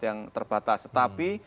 yang terbatas tetapi